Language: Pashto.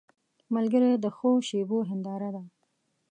ملګری د ښو شېبو هنداره ده